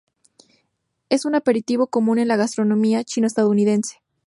Es un aperitivo común en la gastronomía chino-estadounidense.